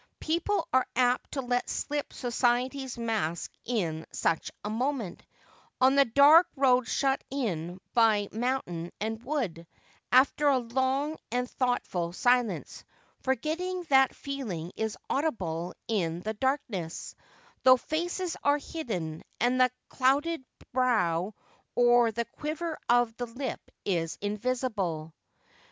People are apt to let slip .'society's maslc in such a moment, on a dark road shut in by mountain and wood, after a long and thoughtful silence, forgetting that feeling is audiMe in the darkness, though faces are hidden, and the clouded brow or the quiver of the lip is invisible.